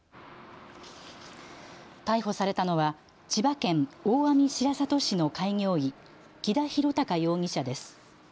逮捕されたのは千葉県大網白里市の開業医木田博隆容疑者です。